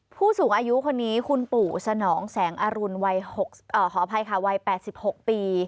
ผู้สูงอายุคนนี้คุณปู่สนองแสงอรุณวัย๘๖ปี